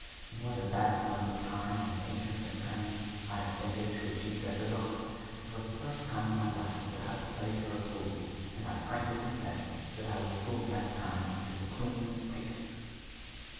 And what a vast amount of time and patience and cunning I expended to achieve that result! It was the first time in my life that I was played for a fool, and I frankly confess that I was fooled that time to the queen's taste!"